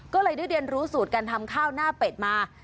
ก็เลยได้เรียนรู้สูตรการทำข้าวหน้าเป็ดมา